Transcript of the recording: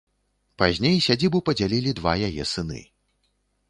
Пазней сядзібу падзялілі два яе сыны.